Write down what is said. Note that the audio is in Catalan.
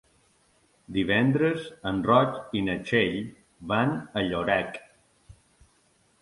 Divendres en Roc i na Txell van a Llorac.